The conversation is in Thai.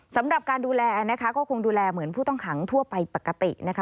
สำหรับการดูแลนะคะก็คงดูแลเหมือนผู้ต้องขังทั่วไปปกตินะคะ